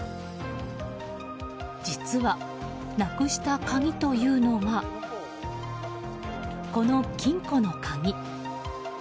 実は、なくした鍵というのがこの金庫の鍵。